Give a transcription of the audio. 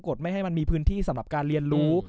ดไม่ให้มันมีพื้นที่สำหรับการเรียนรู้